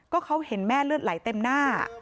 ก็เขาเห็นแม่เลือดไหลเต็มหน้า